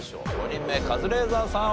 ５人目カズレーザーさん